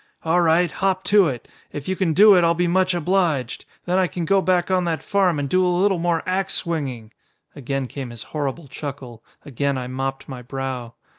'All right, hop to it. If you can do it I'll be much obliged. Then I can go back on that farm and do a little more ax swinging!'" Again came his horrible chuckle, again I mopped my brow.